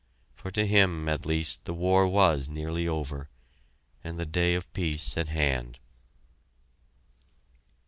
For to him, at least, the war was nearly over, and the day of peace at hand.